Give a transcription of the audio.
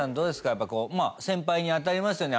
やっぱこうまあ先輩にあたりますよね